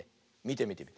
みてみて。